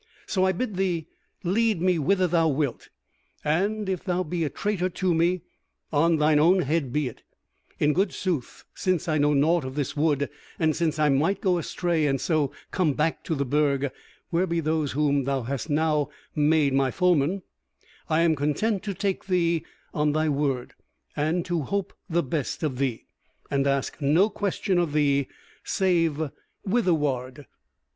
So I bid thee lead me whither thou wilt, and if thou be a traitor to me, on thine own head be it; in good sooth, since I know nought of this wood and since I might go astray and so come back to the Burg where be those whom thou hast now made my foemen, I am content to take thee on thy word, and to hope the best of thee, and ask no question of thee, save whitherward."